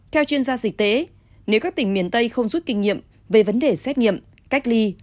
theo chuyên gia dịch tế nếu các tỉnh miền tây không rút kinh nghiệm về vấn đề xét nghiệm cách ly